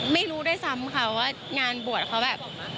ไม่รู้ด้วยซ้ำค่ะว่างานบวชเขาแบบ